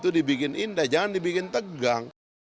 itu dibikin indah jangan dibikin tegang